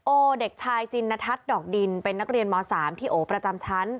เด็กชายจินทัศน์ดอกดินเป็นนักเรียนม๓ที่โอประจำชั้น